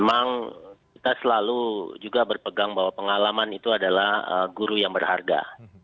memang kita selalu juga berpegang bahwa pengalaman itu adalah guru yang berharga